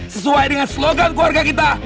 sesuai dengan slogan keluarga kita